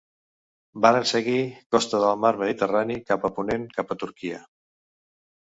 Varen seguir costa del mar Mediterrani cap a ponent, cap a Turquia.